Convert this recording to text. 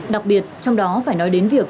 đặc biệt trong đó phải nói đến việc